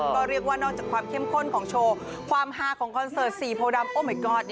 ก็เรียกว่านอกจากความเข้มข้นของโชว์ความฮาของคอนเสิร์ต๔โพดำโอเมกอร์ต